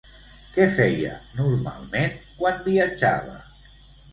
Què feia normalment quan viatjava?